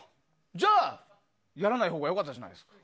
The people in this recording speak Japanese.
じゃあ、やらないほうが良かったじゃないですか。